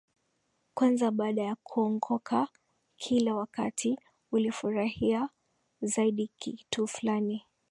kwanza baada ya kuongoka Kila wakati ulifurahia zaidi kitu fulani